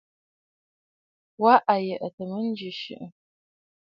Wâ à yə̀tə̂ mə ŋgɨʼɨ siʼi.